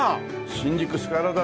新宿スカラ座。